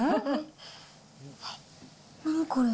何これ？